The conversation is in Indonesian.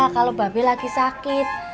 kalau baben lagi sakit